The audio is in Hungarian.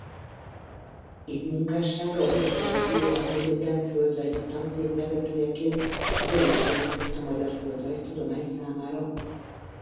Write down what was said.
Így munkássága a budapesti tudományegyetem földrajzi tanszékvezetőjeként törést jelentett a magyar földrajztudomány számára.